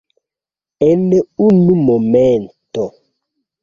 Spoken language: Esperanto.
En unu momento.